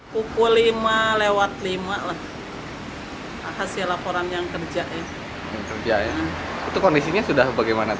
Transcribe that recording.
pelaku berhasil bawa atau enggak itu